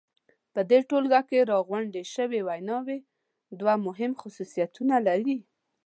په دې ټولګه کې راغونډې شوې ویناوی دوه مهم خصوصیتونه لري.